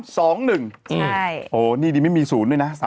ใช่โอ้นี่ไม่มี๐ด้วยนะ๓๒๑๐